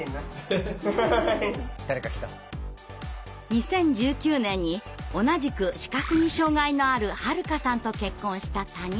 ２０１９年に同じく視覚に障害のある遥さんと結婚した谷口さん。